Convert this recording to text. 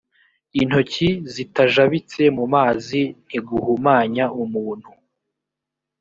intoki zitajabitse mu mazi ntiguhumanya umuntu